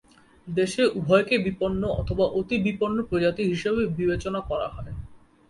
দেশে উভয়কে বিপন্ন অথবা অতি বিপন্ন প্রজাতি হিসেবে বিবেচনা করা হয়।